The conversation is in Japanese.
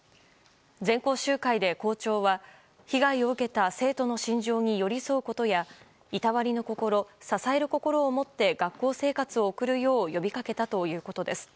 全校集会で校長は被害を受けた生徒の心情に寄り添うことやいたわりの心、支える心を持って学校生活を送るよう呼び掛けたということです。